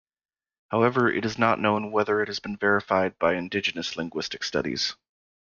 However, it is not known whether it has been verified by Indigenous linguistic studies.